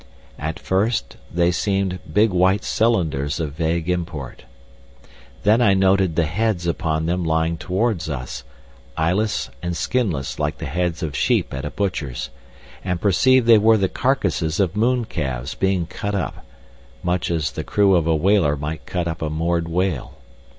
At first they seemed big white cylinders of vague import. Then I noted the heads upon them lying towards us, eyeless and skinless like the heads of sheep at a butcher's, and perceived they were the carcasses of mooncalves being cut up, much as the crew of a whaler might cut up a moored whale.